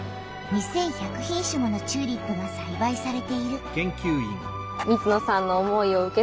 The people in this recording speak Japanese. ２，１００品種ものチューリップがさいばいされている。